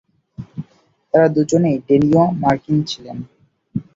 তার দুজনেই ডেনীয়-মার্কিন ছিলেন।